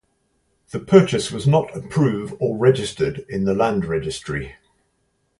The purchase was not approved or registered in the land registry.